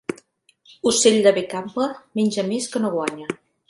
Ocell de bec ample menja més que no guanya.